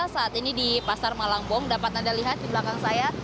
saat ini di pasar malangbong dapat anda lihat di belakang saya